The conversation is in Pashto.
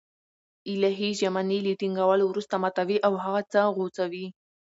الهي ژمني له ټينگولو وروسته ماتوي او هغه څه غوڅوي